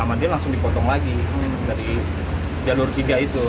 sama dia langsung dipotong lagi dari jalur tiga itu